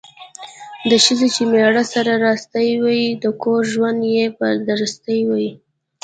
د ښځې چې میړه سره راستي وي ،د کور ژوند یې په درستي وي.